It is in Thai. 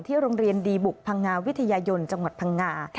โรงเรียนดีบุกพังงาวิทยายนจังหวัดพังงา